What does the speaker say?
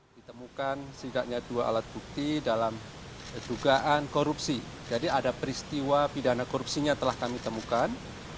ditemukan setidaknya dua alat bukti dalam dugaan korupsi jadi ada peristiwa pidana korupsinya telah kami temukan